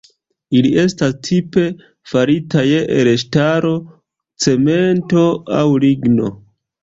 Ili estas tipe faritaj el ŝtalo, cemento aŭ ligno.